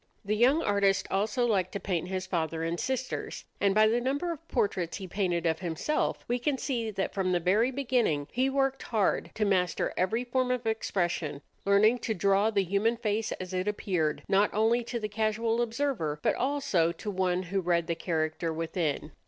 The young artist also liked to paint his father and sisters; and by the number of portraits he painted of himself, we can see that from the very beginning he worked hard to master every form of expression, learning to draw the human face as it appeared not only to the casual observer, but also to one who read the character within.